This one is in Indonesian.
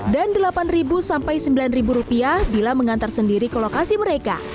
dan delapan sembilan rupiah bila mengantar sendiri ke lokasi mereka